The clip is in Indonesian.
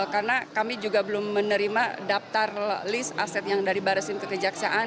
karena kami juga belum menerima daftar list aset yang dari barisim kekejaksaan